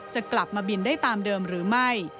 จะกลับมาบินได้ตามเดิมหรือไม่